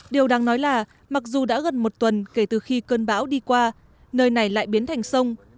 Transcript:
điều đáng nói là mặc dù đã gần một tuần kể từ khi cơn bão đi qua nơi này lại biến thành sông